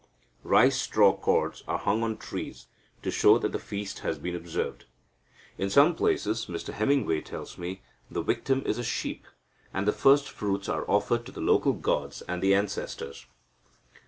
Rice straw cords are hung on trees, to show that the feast has been observed. [In some places, Mr Hemingway tells me, the victim is a sheep, and the first fruits are offered to the local gods and the ancestors.